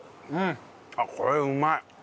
あっこれうまい！